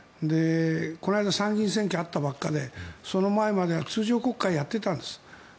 この間、参議院選挙があったばかりでその前までは通常国会をやっていたんです。